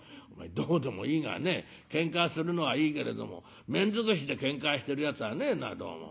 どうでもいいがねけんかするのはいいけれども面尽くしでけんかしてるやつはねえなどうも。